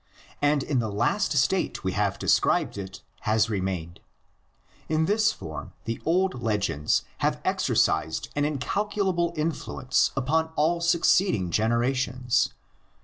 And in the last state we have described it has remained. In this form the old legends have exercised an incalculable influence upon all succeeding generations.